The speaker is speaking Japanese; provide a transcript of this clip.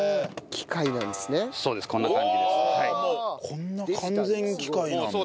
こんな完全に機械なんだ。